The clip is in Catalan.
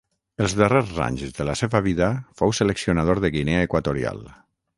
Els darrers anys de la seva vida fou seleccionador de Guinea Equatorial.